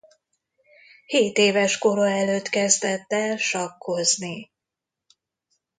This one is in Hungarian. Hétéves kora előtt kezdett el sakkozni.